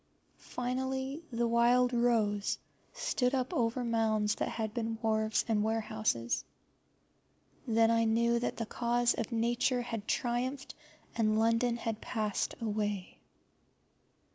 Finally, the wild rose stood up over mounds that had been wharves and warehouses. Then I knew that the cause of Nature had triumphed, and London had passed away.